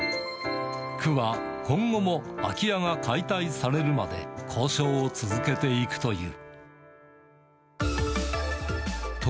区は、今後も空き家が解体されるまで、交渉を続けていくという。